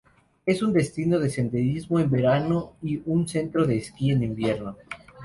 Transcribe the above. Es un destino de senderismo en verano y un centro de esquí en invierno.